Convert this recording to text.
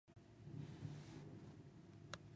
Lem linuh uih...